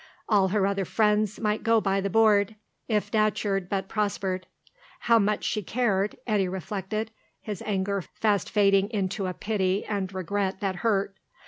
All her other friends might go by the board, if Datcherd but prospered. How much she cared, Eddy reflected, his anger fast fading into a pity and regret that hurt.